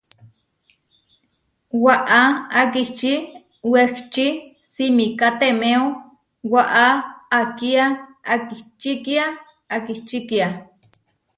Waʼá akiči wehči simikátemeo waʼá akía akičikia akičikia.